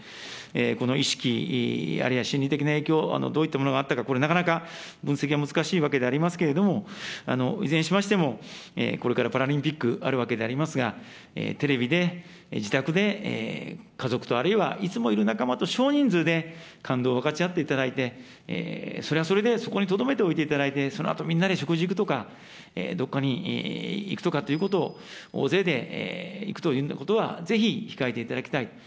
この意識、あるいは心理的な影響、どういったものがあったか、これ、なかなか分析は難しいわけでありますけれども、いずれにしましてもこれからパラリンピックあるわけでありますが、テレビで自宅で家族と、あるいはいつもいる仲間と少人数で感動を分かち合っていただいて、それはそれで、そこにとどめておいていただいて、そのあと、みんなで食事行くとか、どこかに行くとかということを、大勢で行くというようなことは、ぜひ控えていただきたいと。